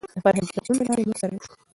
د فرهنګي بدلون له لارې موږ سره یو شو.